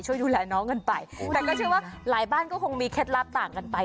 ต้องเปลี่ยนค่ะ